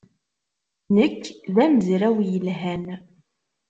Nekk d amezraw yelhan.